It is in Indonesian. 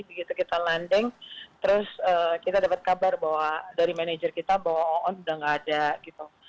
begitu kita landing terus kita dapat kabar dari manajer kita bahwa oon sudah tidak ada